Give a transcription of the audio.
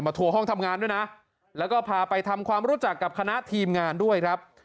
ทัวร์ห้องทำงานด้วยนะแล้วก็พาไปทำความรู้จักกับคณะทีมงานด้วยครับ